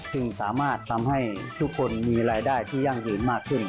ซึ่งสามารถทำให้ทุกคนมีรายได้ที่ยั่งยืนมากขึ้น